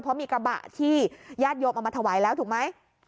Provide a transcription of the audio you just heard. เพราะมีกระบะที่ญาติโยมเอามาถวายแล้วถูกไหม